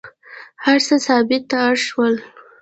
هر څه ثبت ته اړ شول.